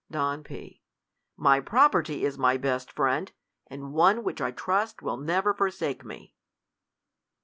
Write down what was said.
Don, P. My property is my best friend, and one which I trust will never forsake me.